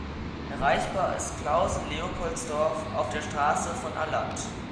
Erreichbar ist Klausen-Leopoldsdorf auf der Straße von Alland.